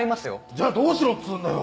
じゃあどうしろっつうんだよ！